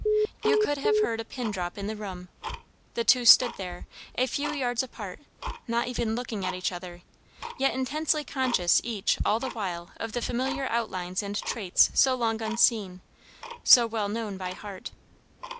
You could have heard a pin drop in the room; the two stood there, a few yards apart, not even looking at each other, yet intensely conscious each all the while of the familiar outlines and traits so long unseen, so well known by heart.